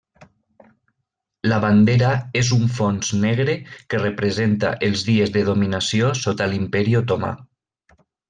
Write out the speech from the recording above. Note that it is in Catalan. La bandera és un fons negre, que representa els dies de dominació sota l'Imperi Otomà.